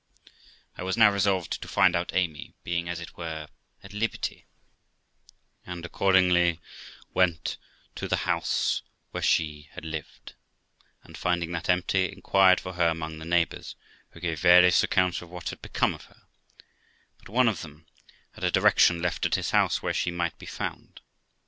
I was now resolved to find out Amy, being, as it were, at liberty; and accordingly went to the house where she had lived, and, finding that empty, inquired for her among the neighbours, who gave various accounts of what had become of her; bnt one of them had a direction left at his house where she might be found.